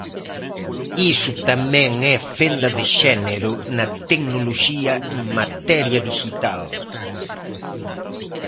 ¡Iso tamén é fenda de xénero na tecnoloxía en materia dixital!